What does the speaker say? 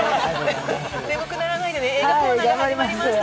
眠くならないでね、映画コーナーが始まりました。